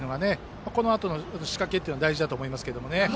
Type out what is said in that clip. このあとの仕掛けというのは大事だと思いますね。